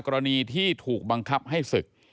กรณีที่ถูกบังคับให้ศึก